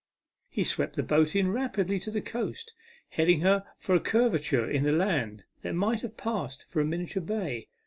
He swept the boat in rapidly to the coast, heading her for a curvature in the land that might have passed for a miniature bay.